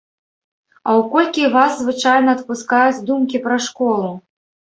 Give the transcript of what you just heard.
А ў колькі вас звычайна адпускаюць думкі пра школу?